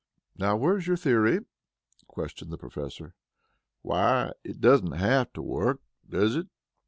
"Now, where's your theory?" questioned the Professor. "Why, it doesn't have to work, does it?